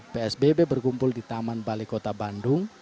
psbb berkumpul di taman balai kota bandung